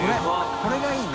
これがいいな。